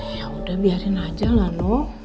ya udah biarin aja lah nok